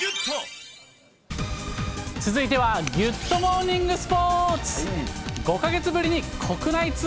続いては、ギュッとモーニングスポーツ。